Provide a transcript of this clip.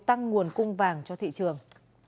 tăng nguồn cung vàng cho thị trường